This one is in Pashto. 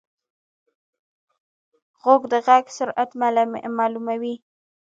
غوږ د غږ سرعت معلوموي.